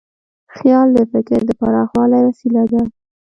خیال د فکر د پراخوالي وسیله ده.